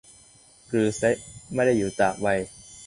กรือเซะไม่ได้อยู่ตากใบ